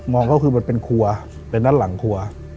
องก็คือมันเป็นครัวเป็นด้านหลังครัว